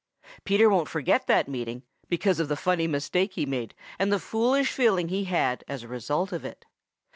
Peter won't forget that meeting, because of the funny mistake he made and the foolish feeling he had as a result of it.